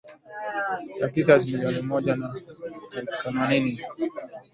ya Kazakhs milioni moja na elfuthemanini